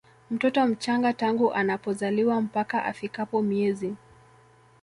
mtoto mchanga tangu anapozaliwa mpaka afikapo miezi